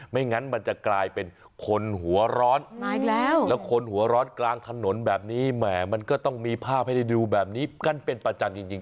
งั้นมันจะกลายเป็นคนหัวร้อนมาอีกแล้วแล้วคนหัวร้อนกลางถนนแบบนี้แหมมันก็ต้องมีภาพให้ได้ดูแบบนี้กันเป็นประจำจริง